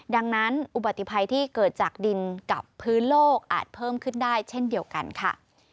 ดังนั้นอุบัติภัยที่เกิดจากดินกับพื้นโลกอาจเพิ่มขึ้นได้เช่นเดียวกันค่ะ